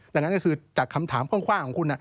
ดังนั้นก็คือจากคำถามคว่างของคุณ